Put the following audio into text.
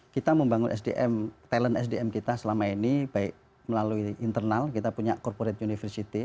kita membangun sdm talent sdm kita selama ini baik melalui internal kita punya corporate university